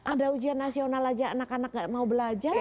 ada ujian nasional saja anak anak tidak mau belajar